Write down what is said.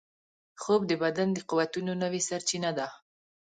خوب د بدن د قوتونو نوې سرچینه ده